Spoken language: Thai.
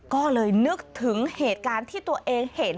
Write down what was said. ก็เลยนึกถึงเหตุการณ์ที่ตัวเองเห็น